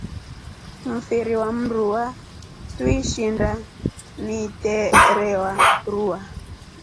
Mfiri wa mruwa tuishinda niterewa ruwa.